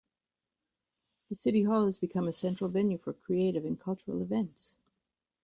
The City Hall has become a central venue for creative and cultural events.